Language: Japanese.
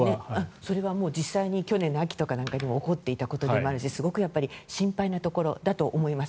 それは去年の秋なんかにも起こっていたことでもあるしすごく心配なところだと思います。